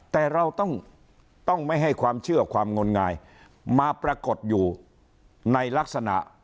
แต่เราต้องไม่ให้ความเชื่อความงนงายมาปรากฏอยู่ในลักษณะ